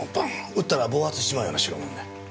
撃ったら暴発しちまうような代物だ。